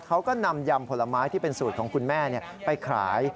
เขาก็นำยำผลไม้ที่เป็นสูตรของคุณแม่ไปขาย